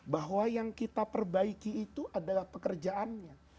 bahwa yang kita perbaiki itu adalah pekerjaannya